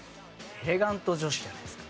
エレガント女子じゃないですか？